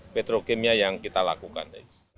petrokimia yang kita lakukan